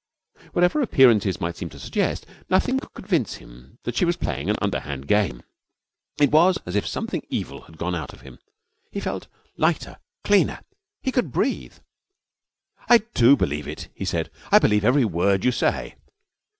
Whatever appearances might seem to suggest, nothing could convince him that she was playing an underhand game. It was as if something evil had gone out of him. He felt lighter, cleaner. He could breathe. 'I do believe it,' he said. 'I believe every word you say.'